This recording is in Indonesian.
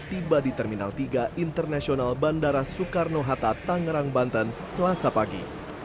tiba di terminal tiga internasional bandara soekarno hatta tangerang banten selasa pagi